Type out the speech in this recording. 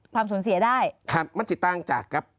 ความสนเสียได้มันจิตต้องจากครับ